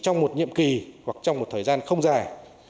nhiệm kỳ hoặc trong một thời gian không dài